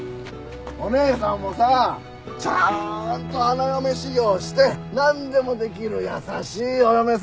お姉さんもさちゃんと花嫁修業して何でもできる優しいお嫁さんになりなね。